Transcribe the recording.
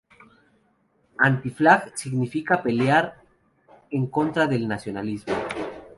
Anti-Flag significa pelear en contra del nacionalismo.